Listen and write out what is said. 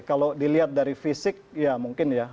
kalau dilihat dari fisik ya mungkin ya